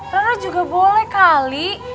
rara juga boleh kali